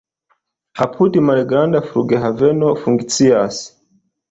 Apude malgranda flughaveno funkcias.